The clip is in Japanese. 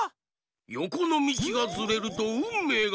よこのみちがずれるとうんめいがかわるのじゃ！